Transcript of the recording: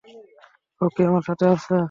ও কি আমার সাথে আছে?